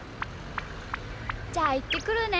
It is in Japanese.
じゃあいってくるね。